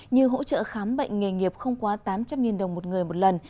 như hỗ trợ khám bệnh nghề nghiệp không quá tám trăm linh đồng một người một lần